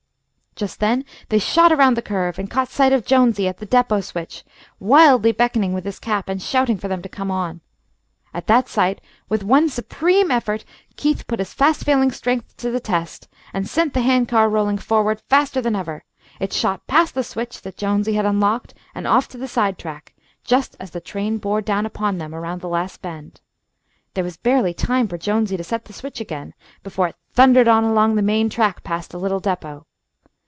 Just then they shot around the curve and caught sight of Jonesy at the depot switch, wildly beckoning with his cap and shouting for them to come on. At that sight, with one supreme effort Keith put his fast failing strength to the test, and sent the hand car rolling forward faster than ever. It shot past the switch that Jonesy had unlocked and off to the side track, just as the train bore down upon them around the last bend. There was barely time for Jonesy to set the switch again before it thundered on along the main track past the little depot.